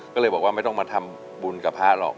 ก็เลยบอกว่าไม่ต้องมาทำบุญกับพระหรอก